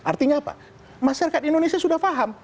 artinya apa masyarakat indonesia sudah paham